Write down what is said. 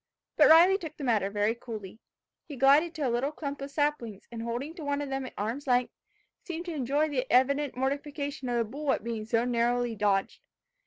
But Riley took the matter very coolly. He glided to a little clump of saplings, and holding to one of them at arm's length, seemed to enjoy the evident mortification of the bull in being so narrowly dodged.